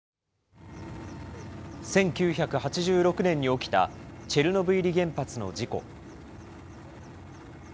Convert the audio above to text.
１９８６年に起きたチェルノブイリ原発の事故。